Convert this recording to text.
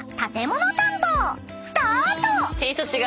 ［スタート！］